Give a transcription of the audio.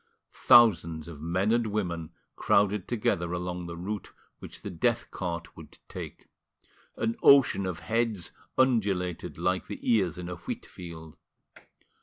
Thousands of men and women crowded together along the route which the death cart would take; an ocean of heads undulated like the ears in a wheatfield.